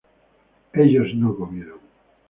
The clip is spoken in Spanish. ellos no comieron